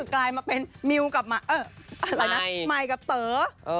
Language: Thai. กลายมาเป็นมิวกับมายกับเตอร์